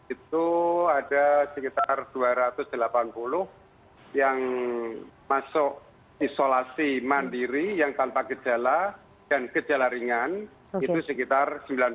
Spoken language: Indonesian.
itu ada sekitar dua ratus delapan puluh yang masuk isolasi mandiri yang tanpa gejala dan gejala ringan itu sekitar sembilan ratus